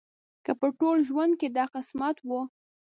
که په ټول ژوند کې دا زما قسمت و.